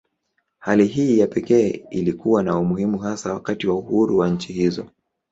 Hali hii ya pekee ilikuwa na umuhimu hasa wakati wa uhuru wa nchi hizo.